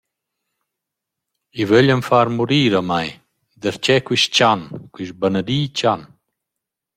I vöglian far murir a mai! … Darcheu quist chan, quist banadi chan!